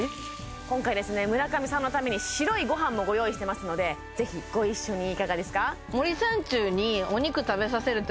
今回ですね村上さんのために白いご飯もご用意してますのでぜひご一緒にいかがですか？